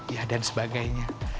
ya dan sebagainya